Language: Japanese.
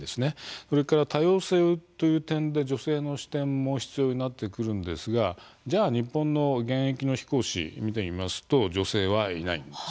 それから多様性という点で女性の視点も必要になってくるんですが現役の日本人飛行士を見てみますと女性はいないんです。